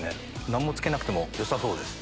何もつけなくてもよさそうです。